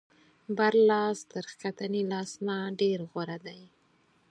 بر لاس تر ښکتني لاس نه ډېر غوره دی.